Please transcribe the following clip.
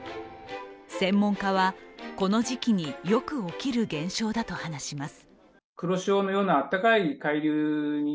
専門家は、この時期によく起きる現象だと話します。